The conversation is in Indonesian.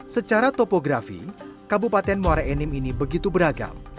secara topografi kabupaten muara enim ini begitu beragam